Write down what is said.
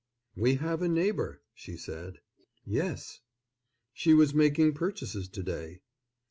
"We have a neighbor," she said. "Yes." "She was making purchases to day."